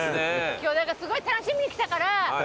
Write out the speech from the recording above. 今日すごい楽しみに来たから私。